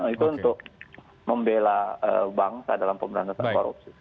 itu untuk membela bangsa dalam pemberantasan korupsi